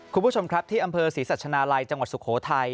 คุณผู้ชมครับที่อำเภอศรีสัชนาลัยจังหวัดสุโขทัย